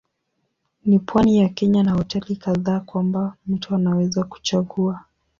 Ni pwani ya Kenya na hoteli kadhaa kwamba mtu anaweza kuchagua.